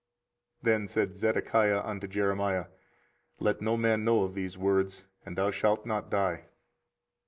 24:038:024 Then said Zedekiah unto Jeremiah, Let no man know of these words, and thou shalt not die.